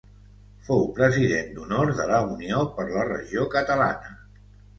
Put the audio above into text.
Fou president d'honor de la Unió per la Regió Catalana.